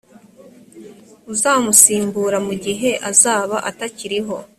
uzamusimbura mu gihe azaba atakiriho